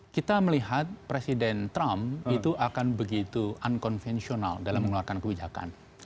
kita melihat presiden trump itu akan begitu unconvensional dalam mengeluarkan kebijakan